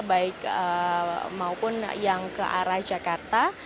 baik maupun yang ke arah jakarta